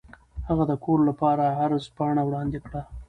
هغه د کور لپاره عرض پاڼه وړاندې کړه.